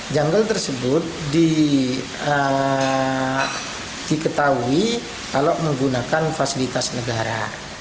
jungle tersebut diketahui kalau menggunakan fasilitas negara